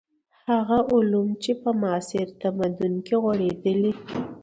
هغه علوم چې په معاصر تمدن کې غوړېدلي.